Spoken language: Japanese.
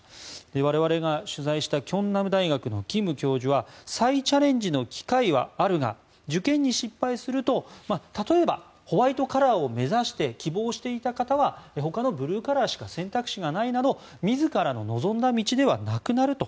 我々が取材した慶南大学のキム教授は再チャレンジの機会はあるが受験に失敗すると例えばホワイトカラーを目指して希望していた方はほかのブルーカラーしか選択肢がないなど自らの望んだ道ではなくなると。